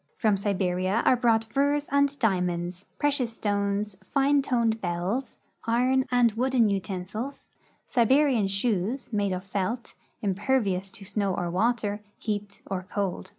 From Siberia are brought furs and diamonds, precious stones, fine toned bells, iron and wooden utensils, Siberian shoes, made of felt, impervious to snow or water, heat or cold.